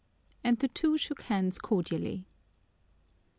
And the two shook hands cordially.